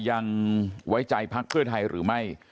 ยังไว้ใจพักเพื่อไทยหรือไม่